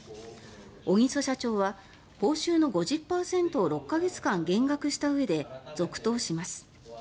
小木曽社長は報酬の５０％を６か月間減額したうえで続投します。